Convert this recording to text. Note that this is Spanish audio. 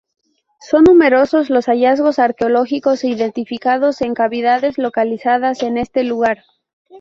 Son numerosos los hallazgos arqueológicos identificados en cavidades localizadas en este lugar.